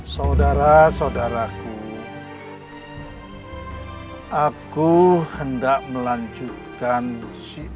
bawa anak kita kembali